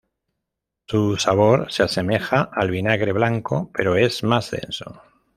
Su sabor se asemeja al vinagre blanco, pero es más denso.